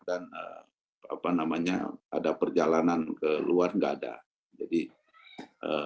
dan ada perjalanan ke luar tidak ada